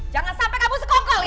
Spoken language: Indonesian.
jangan sampai kamu sekongkol ya